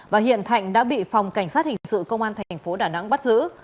và hiện thạnh đã bị phòng cảnh sát hình sự công an thành phố đà nẵng bắt giữ